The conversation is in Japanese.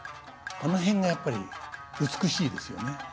その辺がやっぱり美しいですよね。